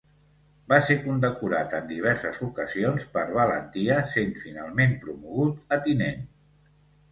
Va ser condecorat en diverses ocasions per valentia, sent finalment promogut a Tinent.